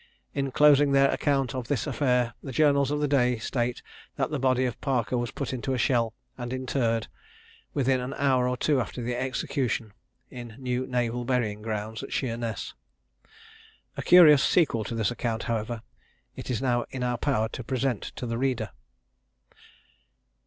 In closing their account of this affair, the journals of the day state that the body of Parker was put into a shell, and interred, within an hour or two after the execution, in the New Naval Burying Ground at Sheerness. A curious sequel to this account, however, it is now in our power to present to the reader.